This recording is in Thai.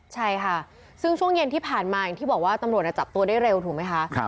ใช่ค่ะซึ่งช่วงเย็นที่ผ่านมาอย่างที่บอกว่าตำรวจจับตัวได้เร็วถูกไหมคะ